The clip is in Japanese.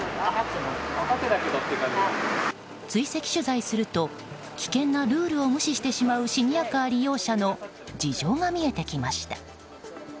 追跡取材すると危険なルールを無視してしまうシニアカー利用者の事情が見えてきました。